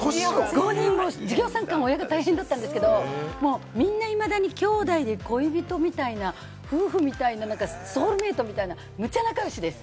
授業参観は親が大変だったんですけれども、みんな、いまだにきょうだいで、恋人みたいな、夫婦みたいな、ソウルメイトみたいな、むちゃ仲良しです。